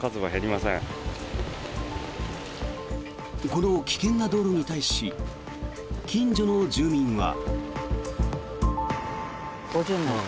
この危険な道路に対し近所の住民は。